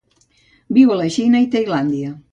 Viu a la Xina i Tailàndia.